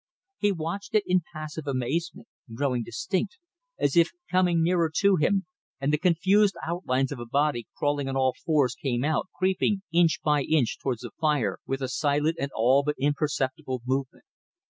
He watched it in passive amazement, growing distinct, as if coming nearer to him, and the confused outlines of a body crawling on all fours came out, creeping inch by inch towards the fire, with a silent and all but imperceptible movement.